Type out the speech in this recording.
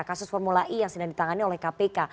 kasus formula e yang sedang ditangani oleh kpk